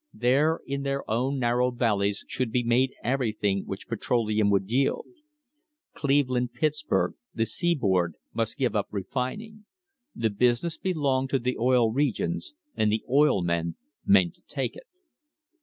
There in their own narrow valleys should be made everything which petroleum would yield. Cleveland, Pittsburg— the Seaboard —must give up refining. The business belonged to the Oil Regions, and the oil men meant to take it.